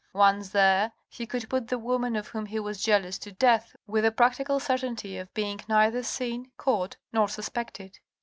Once there he could put the woman of whom he was jealous to death with the practical certainty of being neither seen, caught, nor suspected."